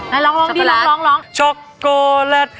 พี่อ๋อมไม่ได้ครับ